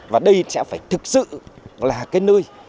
và đây sẽ phải thực sự là cái nơi